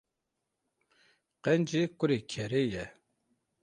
Qencî kurê kerê ye.